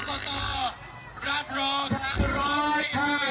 ปรากฏรรับรองทั้ง๑๕๑คน